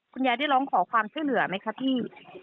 ยายได้ร้องขอความช่วยเหลือไหมคะพี่